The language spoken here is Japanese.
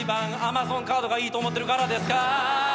「Ａｍａｚｏｎカードがいいと思ってるからですか？」